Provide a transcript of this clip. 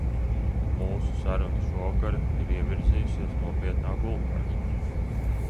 Mūsu saruna šovakar ir ievirzījusies nopietnā gultnē.